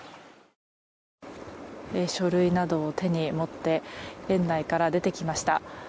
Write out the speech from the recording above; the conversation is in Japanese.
書類などを手に持って園内から出てきました。